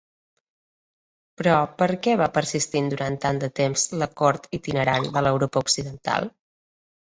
Però per què va persistir durant tant de temps la cort itinerant de l'Europa occidental?